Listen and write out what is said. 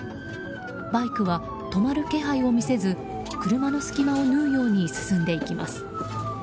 バイクは止まる気配を見せず車の隙間を縫うように進んでいきます。